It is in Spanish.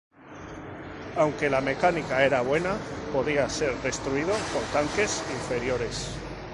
Aunque la mecánica era buena, podía ser destruido por tanques inferiores.